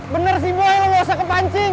bener sih gue nggak usah kepancing